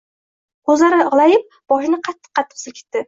Ko‘zlari g‘ilaylanib, boshini qattiq-qattiq silkitdi